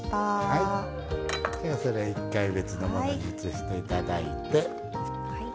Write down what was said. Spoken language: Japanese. ではそれ一回別のものに移していただいて。